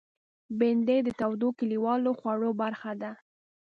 بېنډۍ د تودو کلیوالو خوړو برخه ده